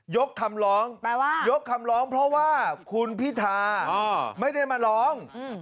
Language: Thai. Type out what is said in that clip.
ยกคำร้องยกคำร้องเพราะว่าคุณพิธาไม่ได้มาร้อง